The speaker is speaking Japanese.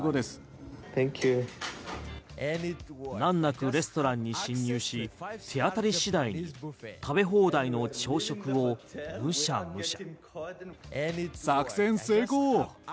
難なくレストランに侵入し手当たり次第に食べ放題の朝食をむしゃむしゃ。